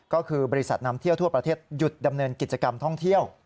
ก็คือบริษัทนำเที่ยวทั่วประเทศหยุดดำเนินกิจกรรมท่องเที่ยว